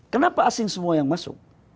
kenapa asing semua yang masuk